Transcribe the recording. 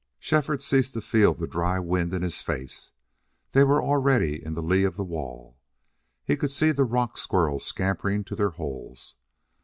Shefford ceased to feel the dry wind in his face. They were already in the lee of the wall. He could see the rock squirrels scampering to their holes.